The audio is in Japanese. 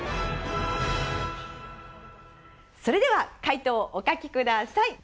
それでは解答をお書きください。